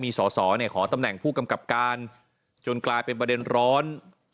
มีสอสอขอตำแหน่งผู้กำกับการจนกลายเป็นประเด็นร้อน